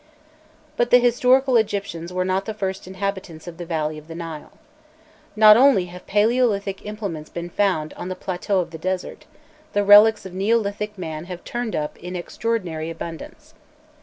But the historical Egyptians were not the first inhabitants of the valley of the Nile. Not only have palaeolithic implements been found on the plateau of the desert; the relics of neolithic man have turned up in extraordinary abundance.